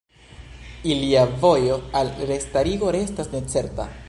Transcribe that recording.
Ilia vojo al restarigo restas necerta.